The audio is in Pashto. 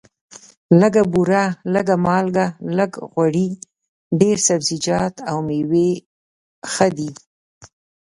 لږه بوره، لږه مالګه، لږ غوړي، ډېر سبزیجات او مېوې ښه دي.